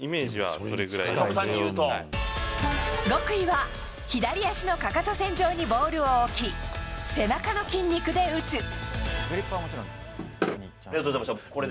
極意は、左足のかかと線上にボールを置き、背中の筋肉で打つ。